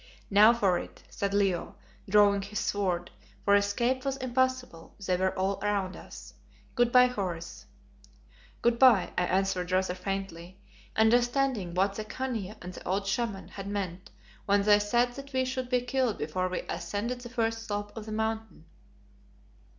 "Now for it," said Leo, drawing his sword, for escape was impossible; they were all round us. "Good bye, Horace." "Good bye," I answered rather faintly, understanding what the Khania and the old Shaman had meant when they said that we should be killed before we ascended the first slope of the Mountain.